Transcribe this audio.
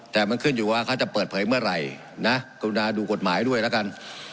แต่มันขึ้นอยู่ว่าเขาจะเปิดเผยเมื่อไหร่นะกรุณาดูกฎหมายด้วยแล้วกัน